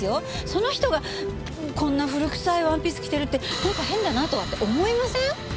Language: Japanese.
その人がこんな古くさいワンピース着てるってなんか変だなとかって思いません？